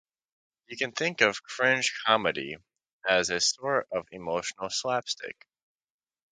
You can think of cringe comedy as a sort of emotional slapstick.